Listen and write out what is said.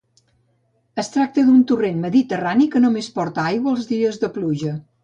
Es tracta d’un torrent mediterrani, que només porta aigua els dies de pluja.